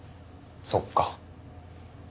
そっか。